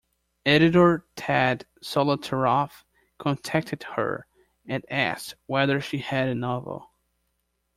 Editor Ted Solotaroff contacted her, and asked whether she had a novel.